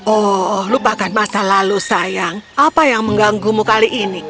oh lupakan masa lalu sayang apa yang mengganggumu kali ini